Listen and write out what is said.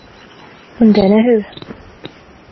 An duine thú?